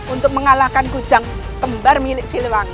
untuk mengalahkan kujang kembar milik siliwangi